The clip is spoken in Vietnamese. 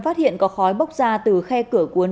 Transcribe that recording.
phát hiện có khói bốc ra từ khe cửa cuốn